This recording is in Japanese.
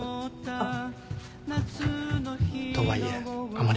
あっ。